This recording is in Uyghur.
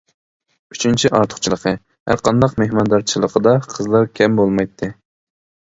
ئۈچىنچى ئارتۇقچىلىقى: ھەر قانداق مېھماندارچىلىقىدا قىزلار كەم بولمايتتى.